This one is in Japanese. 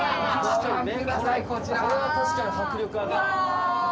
これは確かに迫力あるな。